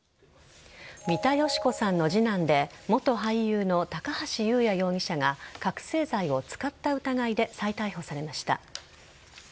三田佳子さんの次男で元俳優の高橋祐也容疑者が覚醒剤を使った疑いで再逮捕されました。